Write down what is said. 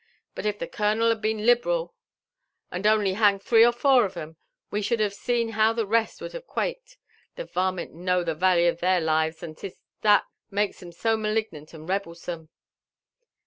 But if the colonel liad been^ liberal and only hanged three or four of 'em, we should have seen how the rest would have quaked. The varmint know the valy of their lives, and 'tis that makes 'em so malignant and rebelsome."